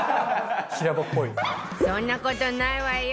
そんな事ないわよ！